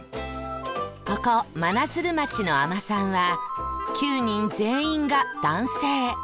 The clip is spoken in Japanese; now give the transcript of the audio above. ここ真鶴町の海士さんは９人全員が男性